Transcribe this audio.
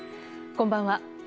こんばんは。